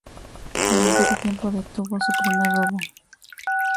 Durante ese tiempo detuvo su primer robo.